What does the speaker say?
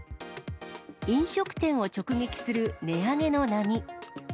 飲食店を直撃する値上げの波。